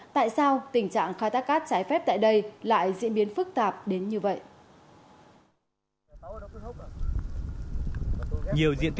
tại sao tình trạng khai thác cát trái phép tại đây lại diễn biến phức tạp đến như vậy